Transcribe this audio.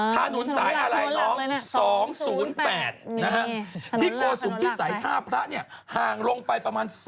อ๋อถนนสายอะไรน้อง๒๐๘นะครับที่โกสุมพิสัยท่าพระเนี่ยห่างลงไปประมาณ๓๐เมตร